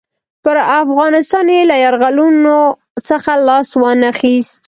پر افغانستان یې له یرغلونو څخه لاس وانه خیست.